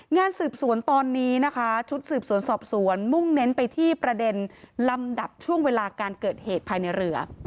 งานสืบสวนตอนนี้นะคะชุดสืบสวนสอบสวนมุ่งเน้นไปที่ประเด็นลำดับช่วงเวลาการเกิดเหตุภายในเรือ